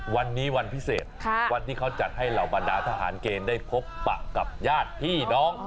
วันนี้วันพิเศษวันที่เขาจัดให้เหล่าบรรดาทหารเกณฑ์ได้พบปะกับญาติพี่น้อง